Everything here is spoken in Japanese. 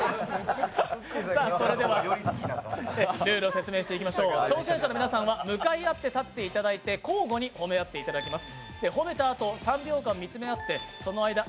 それではルールを説明していきましょう挑戦者の皆さんは向かい合って立っていただいて交互に褒め合っていただきます。